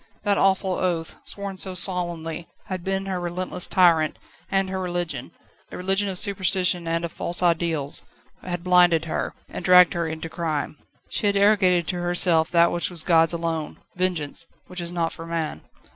That awful oath, sworn so solemnly, had been her relentless tyrant; and her religion a religion of superstition and of false ideals had blinded her, and dragged her into crime. She had arrogated to herself that which was God's alone "Vengeance!" which is not for man.